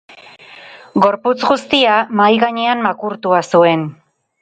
Gorputz guztia mahai gainera makurtua zuen.